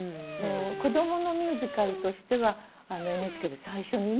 こどものミュージカルとしてはＮＨＫで最初にね